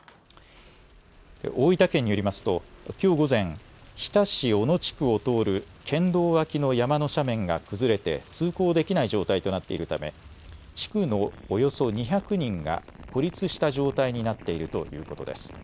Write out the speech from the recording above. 大分県によりますときょう午前、日田市小野地区を通る県道脇の山の斜面が崩れて通行できない状態となっているため地区のおよそ２００人が孤立した状態になっているということです。